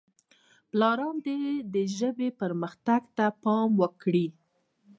پلاران دې د ژبې پرمختګ ته پام وکړي.